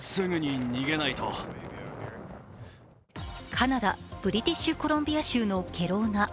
カナダ・ブリティッシュコロンビア州のケロウナ。